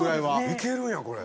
いけるんやこれ。